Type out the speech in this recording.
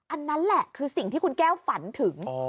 อันนั้นแหละคือสิ่งที่คุณแก้วฝันถึง